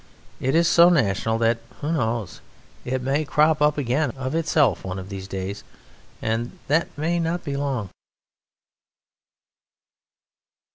It is so national that who knows? it may crop up again of itself one of these days; and may that not be long.